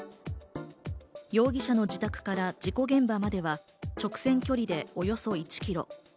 容疑者の自宅から事故現場までは直線距離でおよそ１キロ。